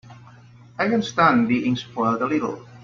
I can stand being spoiled a little.